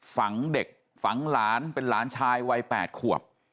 ฝังเด็กฝังหลานเป็นหลานชายวัย๘ขวบ